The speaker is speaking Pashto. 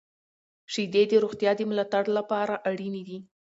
• شیدې د روغتیا د ملاتړ لپاره اړینې دي.